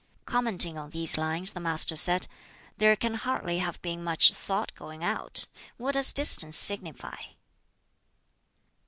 Commenting on these lines the Master said, "There can hardly have been much 'thought going out,' What does distance signify?"